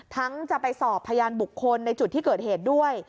จะไปสอบพยานบุคคลในจุดที่เกิดเหตุด้วย